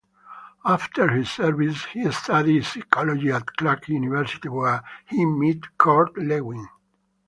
After his service he studied psychology at Clark University, where he met Kurt Lewin.